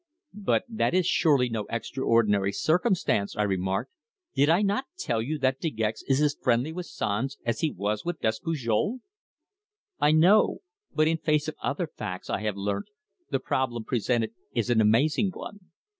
"But that is surely no extraordinary circumstance!" I remarked. "Did I not tell you that De Gex is as friendly with Sanz as he was with Despujol?" "I know. But in face of other facts I have learnt, the problem presented is an amazing one."